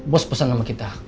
bos pesan sama kita